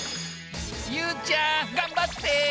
ゆうちゃん頑張って！